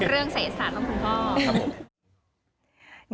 เรื่องเสร็จสารของคุณพ่อ